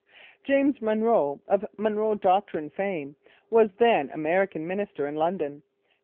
James Monroe, of Monroe Doctrine fame, was then American minister in London.